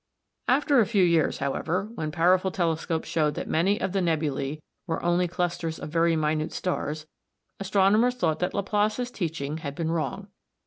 After a few years, however, when powerful telescopes showed that many of the nebulæ were only clusters of very minute stars, astronomers thought that Laplace's teaching had been wrong.